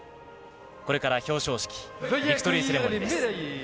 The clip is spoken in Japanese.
これから表彰式、ビクトリーセレモニーです。